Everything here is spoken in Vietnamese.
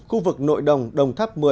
khu vực nội đồng đồng tháp một mươi